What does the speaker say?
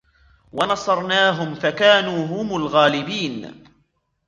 ونصرناهم فكانوا هم الغالبين